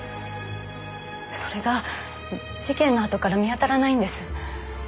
それが事件のあとから見当たらないんです。